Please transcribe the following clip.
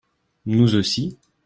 Nous aussi